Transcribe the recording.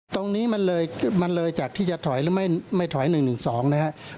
ตรงนี้มันเลยมันเลยจากที่จะถอยหรือไม่ถอย๑๑๒นะครับ